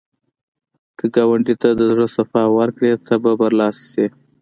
که ګاونډي ته د زړه صفا ورکړې، ته به برلاسی شې